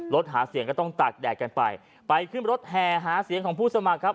หาเสียงก็ต้องตากแดดกันไปไปขึ้นรถแห่หาเสียงของผู้สมัครครับ